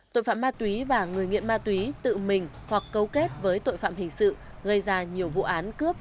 tội phạm ma túy và người nghiện ma túy tự mình hoặc cấu kết với tội phạm hình sự gây ra nhiều vụ án cướp